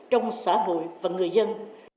trong xã hội và người dân